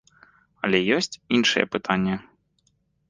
Але ёсць іншае пытанне.